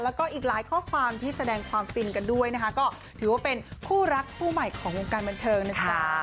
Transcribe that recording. แล้วก็อีกหลายข้อความที่แสดงความฟินกันด้วยนะคะก็ถือว่าเป็นคู่รักคู่ใหม่ของวงการบันเทิงนะจ๊ะ